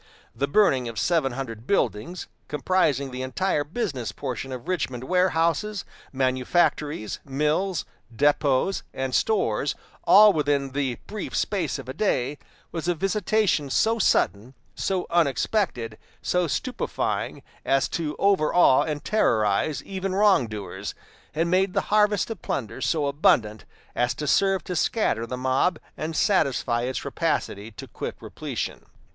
The burning of seven hundred buildings, comprising the entire business portion of Richmond warehouses, manufactories, mills, depots, and stores, all within the brief space of a day, was a visitation so sudden, so unexpected, so stupefying, as to overawe and terrorize even wrong doers, and made the harvest of plunder so abundant as to serve to scatter the mob and satisfy its rapacity to quick repletion.